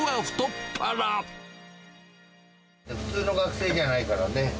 普通の学生じゃないからね。